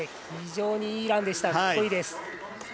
非常にいいランでした。